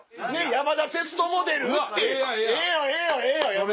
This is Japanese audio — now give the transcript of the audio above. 山田哲人モデルええやんええやんええやん。